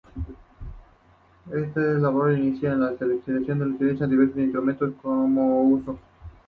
En esta labor inicial de la textilería se utilizaron diversos instrumentos como el huso.